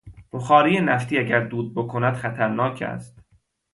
بخاری نفتی اگر دود بکند خطر ناک است.